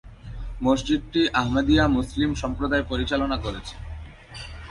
মসজিদটি আহমদিয়া মুসলিম সম্প্রদায় পরিচালনা করছে।